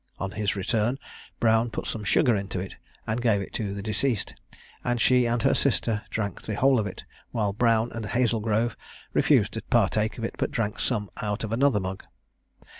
On his return Brown put some sugar into it, and gave it to the deceased, and she and her sister drank the whole of it, while Brown and Hazlegrove refused to partake of it, but drank some out of another mug.